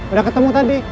udah ketemu tadi